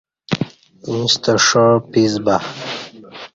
ییݩستہ ݜاع پیس با